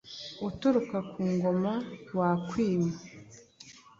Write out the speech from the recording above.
Uturuka ku ngoma ,wakwima :